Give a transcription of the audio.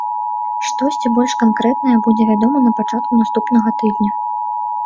Штосьці больш канкрэтнае будзе вядома на пачатку наступнага тыдня.